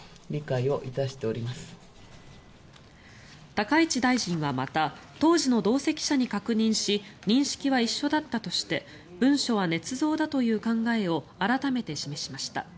高市大臣は、また当時の同席者に確認し認識は一緒だったとして文書はねつ造だという考えを改めて示しました。